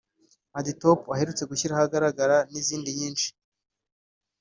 ‘AdiTop’ aherutse gushyira ahagaragara n’izindi nyinshi